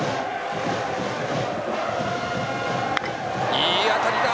いい当たりだ！